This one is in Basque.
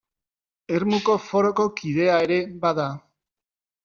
Ermuko Foroko kidea ere bada.